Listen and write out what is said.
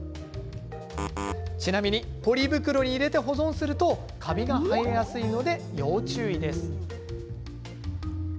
ちなみにポリ袋に入れて保存するとカビが生えやすいので要注意です。